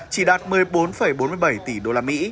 chỉ đạt một mươi bốn bốn mươi bảy tỷ usd